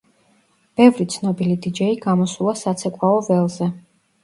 ბევრი ცნობილი დიჯეი გამოსულა საცეკვავო ველზე.